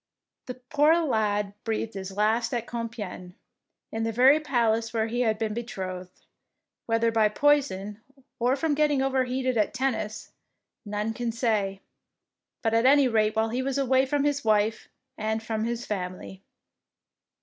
The poor lad breathed his last at Compiegne, in the very palace where he had been be trothed, whether by poison or from getting overheated at tennis, none can say, but at any rate while he was away from his wife and from his family.